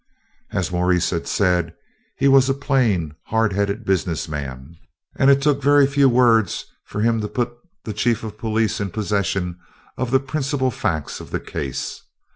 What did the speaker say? As Maurice had said, he was a plain, hard headed business man, and it took very few words for him to put the Chief of Police in possession of the principal facts of the case.